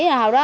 ý là hầu đó